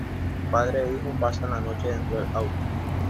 Padre e hijo pasan la noche dentro del auto.